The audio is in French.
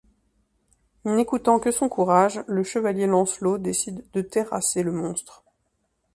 N'écoutant que son courage, le chevalier Lancelot décide de terrasser le monstre.